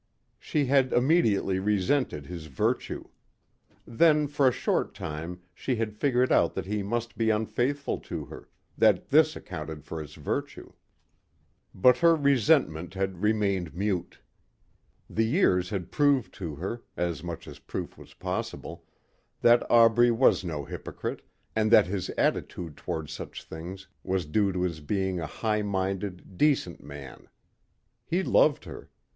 She had immediately resented his virtue. Then for a short time she had figured out that he must be unfaithful to her, that this accounted for his virtue. But her resentment had remained mute. The years had proved to her, as much as proof was possible, that Aubrey was no hypocrite and that his attitude toward such things was due to his being a high minded, decent man. He loved her.